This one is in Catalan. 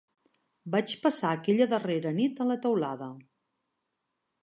Vaig passar aquella darrera nit a la teulada